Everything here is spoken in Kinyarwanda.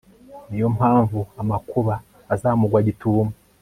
ni yo mpamvu amakuba azamugwa gitumo